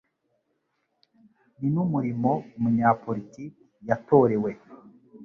Ni n'Umurimo umunyapolitiki yatorewe